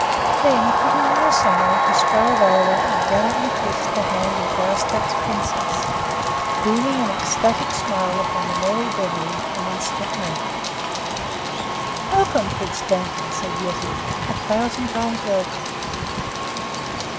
Then, putting her aside he strode over and gallantly kissed the hand of Graustark's princess, beaming an ecstatic smile upon the merry Beverly an instant later. "Welcome, Prince Dantan," said Yetive, "A thousand times welcome."